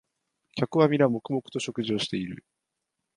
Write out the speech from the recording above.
客はみんな黙々と食事をしている